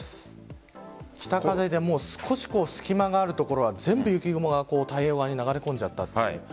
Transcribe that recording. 北風で少し隙間がある所は全部雪雲が太平洋側に流れ込んじゃった。